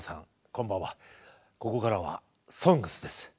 こんばんはここからは「ＳＯＮＧＳ」です。